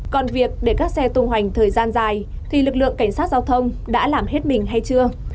còn việc để các xe tung hoành thời gian dài thì lực lượng cảnh sát giao thông đã làm hết mình hay chưa